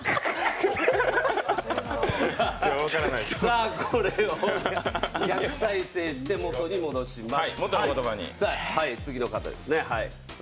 さあ、これを逆再生して元に戻します。